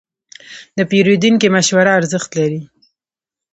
د پیرودونکي مشوره ارزښت لري.